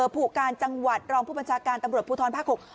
ผู้การจังหวัดรองผู้บัญชาการตำรวจภูทรภาค๖